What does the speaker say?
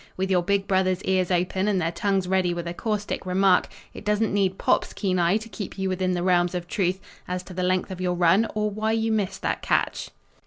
With your big brothers' ears open and their tongues ready with a caustic remark, it doesn't need "Pop's" keen eye to keep you within the realms of truth as to the length of your run or why you missed that catch.